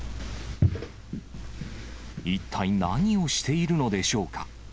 一体何をしているのでしょうか。